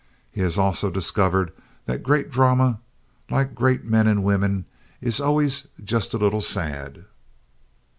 He has also discovered that "great drama, like great men and women, is always just a little sad."